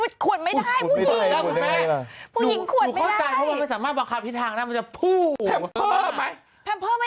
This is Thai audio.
หวากันไป